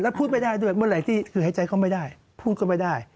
แล้วพูดไม่ได้ด้วยเมื่อไหร่ที่คือหายใจเขาไม่ได้พูดก็ไม่ได้